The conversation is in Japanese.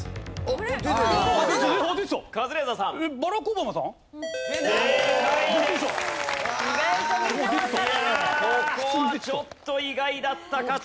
ここはちょっと意外だったかというところ。